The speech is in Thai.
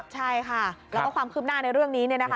ใช่ค่ะแล้วก็ความขึ้นหน้าในเรื่องนี้เนี่ยนะคะ